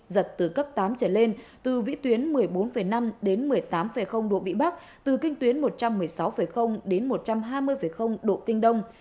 giật từ cấp tám trở lên từ vĩ tuyến một mươi bốn năm đến một mươi tám độ vĩ bắc từ kinh tuyến một trăm một mươi sáu đến một trăm hai mươi độ kinh đông